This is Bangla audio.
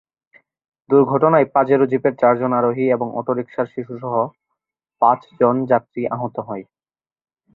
দুর্ঘটনায় পাজেরো জিপের চারজন আরোহী এবং অটোরিকশার শিশুসহ পাঁচজন যাত্রী আহত হয়।